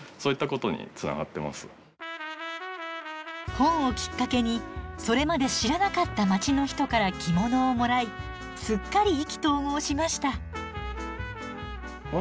本をきっかけにそれまで知らなかった街の人から着物をもらいすっかり意気投合しました。